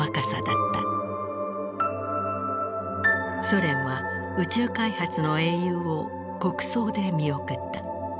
ソ連は宇宙開発の英雄を国葬で見送った。